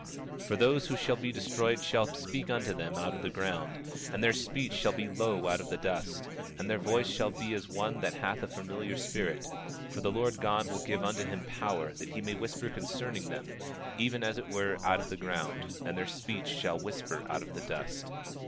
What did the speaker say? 26:16 For those who shall be destroyed shall speak unto them out of the ground, and their speech shall be low out of the dust, and their voice shall be as one that hath a familiar spirit; for the Lord God will give unto him power, that he may whisper concerning them, even as it were out of the ground; and their speech shall whisper out of the dust.